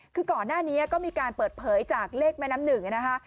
คือก่อนหน้านี้ก็มีการเปิดเผยจากเลขแม่น้ำหนึ่งนะคะ